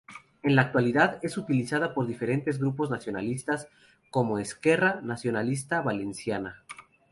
En la actualidad es utilizada por diferentes grupos nacionalistas como Esquerra Nacionalista Valenciana.